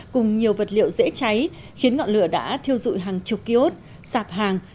cùng nhiều vật liệu dễ cháy khiến ngọn lửa đã thiêu dụi hàng chục kiốt sạp hàng